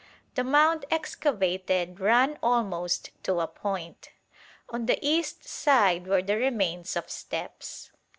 The mound excavated ran almost to a point. On the east side were the remains of steps.